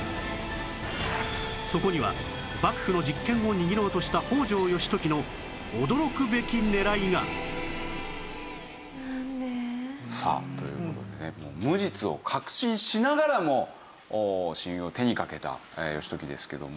そこには幕府の実権を握ろうとした北条義時の驚くべき狙いがさあという事でね無実を確信しながらも親友を手に掛けた義時ですけども。